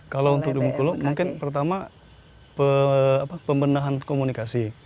kalau untuk di bengkulu mungkin pertama pembenahan komunikasi